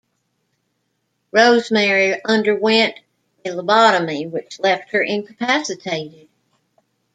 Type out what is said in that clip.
Rosemary underwent a lobotomy which left her incapacitated.